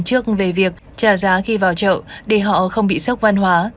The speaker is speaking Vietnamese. trước về việc trả giá khi vào chợ để họ không bị sốc văn hóa